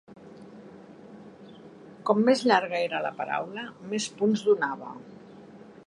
Com més llarga era la paraula, més punts donava.